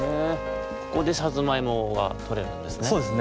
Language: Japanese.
ここでさつまいもがとれるんですね。